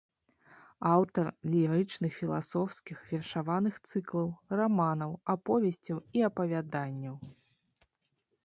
Аўтар лірычных філасофскіх вершаваных цыклаў, раманаў, аповесцяў і апавяданняў.